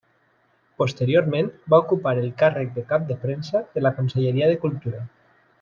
Posteriorment va ocupar el càrrec de cap de premsa de la Conselleria de Cultura.